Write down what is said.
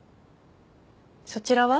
そちらは？